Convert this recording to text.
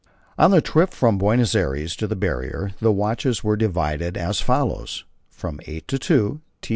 On the trip from Buenos Aires to the Barrier the watches were divided as follows: From eight to two: T.